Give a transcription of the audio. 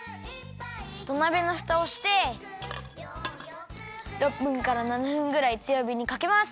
土鍋のふたをして６分から７分ぐらいつよびにかけます。